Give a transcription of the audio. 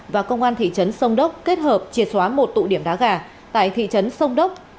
và công an thị trấn sông đốc kết hợp triệt xóa một tụ điểm đá gà tại thị trấn sông đốc